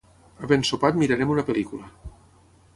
Havent sopat mirarem una pel·lícula